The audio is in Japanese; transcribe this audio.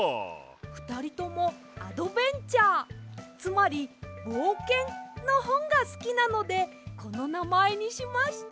ふたりともアドベンチャーつまりぼうけんのほんがすきなのでこのなまえにしました！